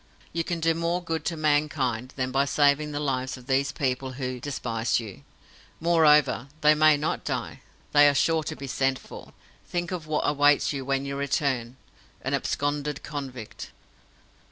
You can do more good to mankind than by saving the lives of these people who despise you. Moreover, they may not die. They are sure to be sent for. Think of what awaits you when you return an absconded convict!"